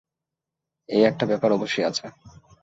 এই একটা ব্যাপার অবশ্যি আছে।